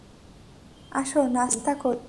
আসো নাস্তা করি।